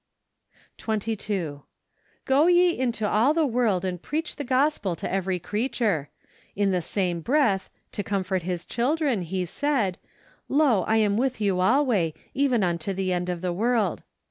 4r» APRIL. 22. " Go ye into all the world and preach the Gospel to every creature." In the same breath, to comfort His children, He said, " Lo, I am with you alway, even unto the end of the world."